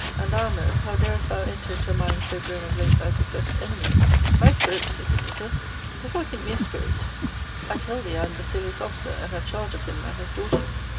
and thou, mirth, how darest thou enter into a mind so grown of late thy professed enemy ?'* Thy spirit !' said Dametas. * Dost thou think me*a spirit ? I tell thee I am Basilius' officer, and have charge of him and his daughters.'